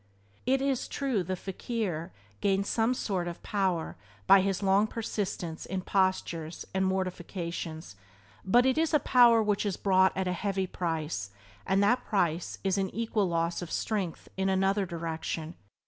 It is true the fakir gains some sort of power by his long persistence in "postures" and "mortifications," but it is a power which is bought at a heavy price, and that price is an equal loss of strength in another direction.